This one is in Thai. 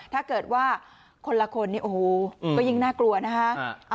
ถ้าเกิดคนละคนโอ้โหก็ยิ่งน่ากลัวนะคะ